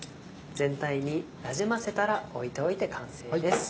全体になじませたら置いておいて完成です。